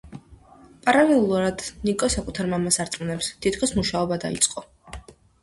პარალელურად ნიკო საკუთარ მამას არწმუნებს, თითქოს მუშაობა დაიწყო.